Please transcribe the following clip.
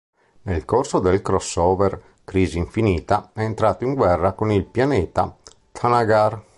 Nel corso del "crossover" "Crisi infinita" è entrato in guerra con il pianeta Thanagar.